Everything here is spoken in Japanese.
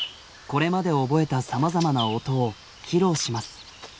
これまで覚えたさまざまな音を披露します。